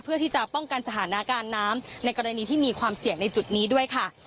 เพื่อที่จะป้องกันสถานการณ์น้ำในกรณีที่มีความเสี่ยงในจุดนี้ด้วยค่ะ